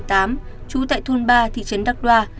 trú tại thôn ba thị trấn đắc đoa